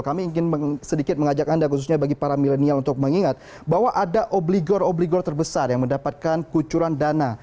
kami ingin sedikit mengajak anda khususnya bagi para milenial untuk mengingat bahwa ada obligor obligor terbesar yang mendapatkan kucuran dana